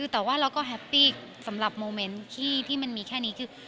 แต่ว่าเราก็แฮปปี้สำหรับโมเมนต์ที่มันมีแค่นี้คือ